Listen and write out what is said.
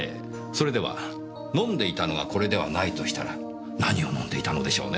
それでは飲んでいたのがこれではないとしたら何を飲んでいたのでしょうね。